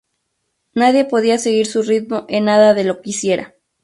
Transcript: Nadie podía seguir su ritmo en nada de lo que hiciera.